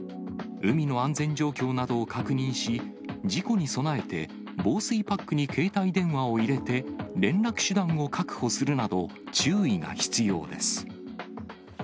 海の安全状況などを確認し、事故に備えて、防水パックに携帯電話を入れて、連絡手段を確保するなど、注意が必要です。